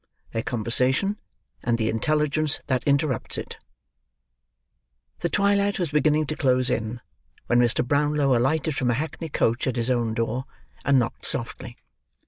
THEIR CONVERSATION, AND THE INTELLIGENCE THAT INTERRUPTS IT The twilight was beginning to close in, when Mr. Brownlow alighted from a hackney coach at his own door, and knocked softly.